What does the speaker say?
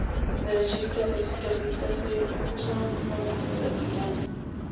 Derechistas e izquierdistas se acusaron mutuamente del atentado.